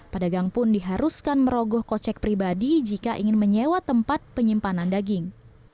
pedagang pun diharuskan merogoh kocek pribadi jika ingin menyewa tempat penyimpanan daging